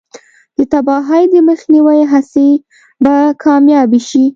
د تباهۍ د مخنیوي هڅې به کامیابې شي.